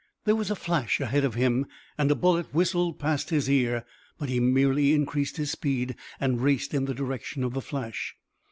There was a flash ahead of him and a bullet whistled past his ear, but he merely increased his speed and raced in the direction of the flash.